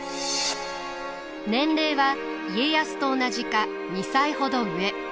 年齢は家康と同じか２歳ほど上。